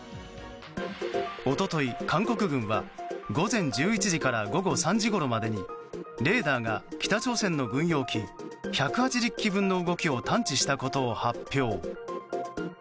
一昨日、韓国軍は午前１１時から午後３時ごろまでにレーダーが北朝鮮の軍用機１８０機分の動きを探知したことを発表。